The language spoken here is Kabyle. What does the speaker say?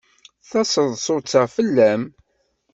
Taseḍsut-a fell-am.